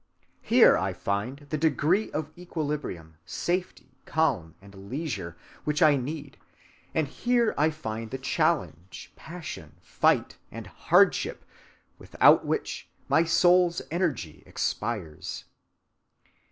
Here I find the degree of equilibrium, safety, calm, and leisure which I need, or here I find the challenge, passion, fight, and hardship without which my soul's energy expires.